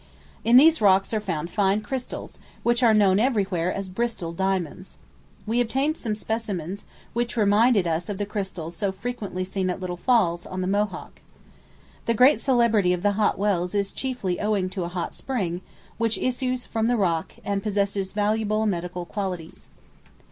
In these rocks are found fine crystals, which are known every where as Bristol diamonds. We obtained some specimens, which reminded us of the crystals so frequently seen at Little Falls, on the Mohawk. The great celebrity of the Hot Wells is chiefly owing to a hot spring, which issues from the rock, and possesses valuable medical qualities.